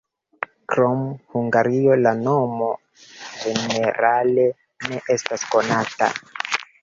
Krom Hungario la nomo ĝenerale ne estas konata.